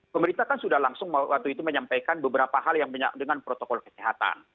pemerintah kan sudah langsung waktu itu menyampaikan beberapa hal yang dengan protokol kesehatan